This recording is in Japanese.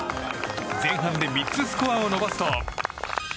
前半で３つスコアを伸ばすと。